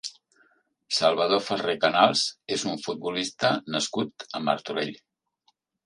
Salvador Ferrer Canals és un futbolista nascut a Martorell.